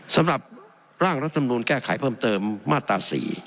สำหรับร่างรัฐมนูลแก้ไขเพิ่มเติมมาตรา๔